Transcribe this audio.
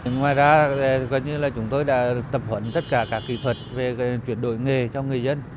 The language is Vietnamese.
ngoài ra chúng tôi đã tập hợp tất cả các kỹ thuật về chuyển đổi nghề cho người dân